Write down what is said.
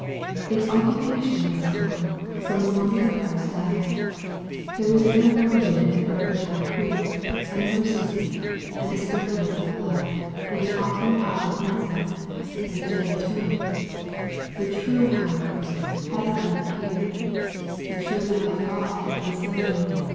Its occu pation was gone, from the moment that Christ died. There was no more need of an earthly high priest, and a mercy seat, and a sprinkling of blood, and an offering up of MATTHEW, wflAP. XXVH. 397 incense, and a day of a tenement. The true High Priesi had at length appeared. The true Lamh of God had been slain.